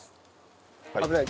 危ない。